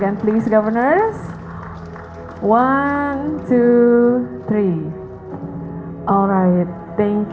baiklah terima kasih banyak